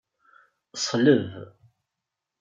Ṣleb.